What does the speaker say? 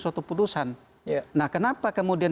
suatu putusan kenapa kemudian